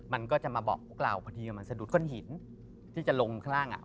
มันก็จะมาบอกพวกเราพอดีมันสะดุดก้อนหินที่จะลงข้าง